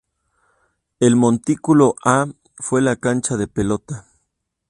El Montículo A fue la cancha de pelota.